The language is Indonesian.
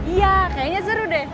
iya kayaknya seru deh